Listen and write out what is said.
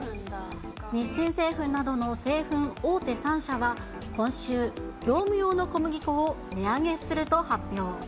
日清製粉などの製粉大手３社は、今週、業務用の小麦粉を値上げすると発表。